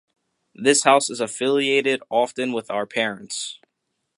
This house is affiliated often with our parents.